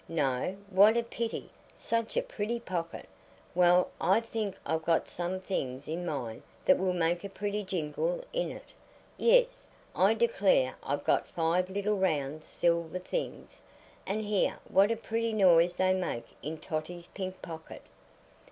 "No! What a pity! Such a pretty pocket. Well, I think I've got some things in mine that will make a pretty jingle in it. Yes! I declare I've got five little round silver things, and hear what a pretty noise they make in Totty's pink pocket."